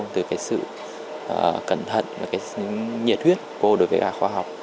từ sự cẩn thận và nhiệt huyết cô đối với khoa học